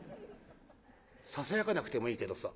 「ささやかなくてもいいけどさ。